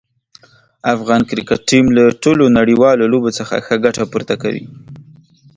افغان کرکټ ټیم له ټولو نړیوالو لوبو څخه ښه ګټه پورته کوي.